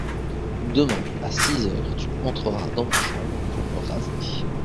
Demain, à six heures, tu entreras dans ma chambre pour me raser.